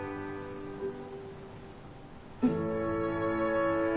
うん。